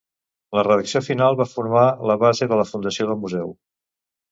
La redacció final va formar la base de la fundació del museu.